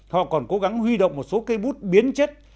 họ còn cố gắng huy động một số cây bút biến chất